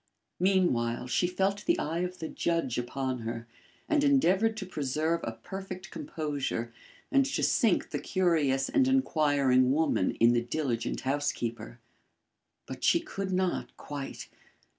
Meanwhile, she felt the eye of the judge upon her and endeavoured to preserve a perfect composure and to sink the curious and inquiring woman in the diligent housekeeper. But she could not, quite.